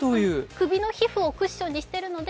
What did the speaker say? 首の皮膚をクッションにしているので、